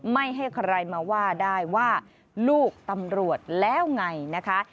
ไม่ให้ใครมาว่าได้ว่าลูกตำรวจแล้วไงนะคะ